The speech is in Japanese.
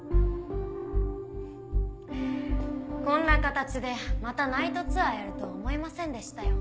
こんな形でまたナイトツアーやるとは思いませんでしたよ。